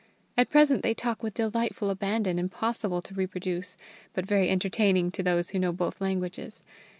At present they talk with delightful abandon impossible to reproduce, but very entertaining to those who know both languages.